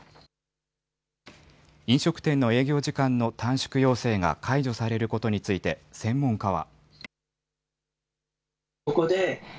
飲食店の営業時間の短縮要請が解除されることについて、専門家は。